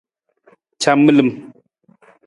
Camilim.